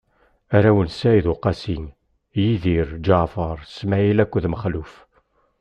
Arraw n Said Uqasi: Yidir, Ǧaɛfaṛ, Smaɛil akked Mexluf.